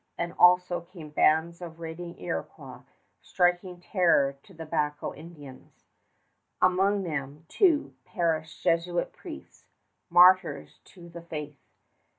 And also came bands of raiding Iroquois striking terror to the Tobacco Indians. Among them, too, perished Jesuit priests, martyrs to the faith.